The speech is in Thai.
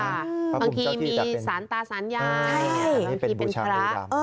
บางทีมีสารตาสารยายบางทีเป็นพระ